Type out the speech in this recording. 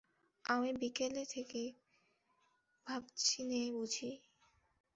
আমি বিকেল থেকে ভাবছিনে বুঝি?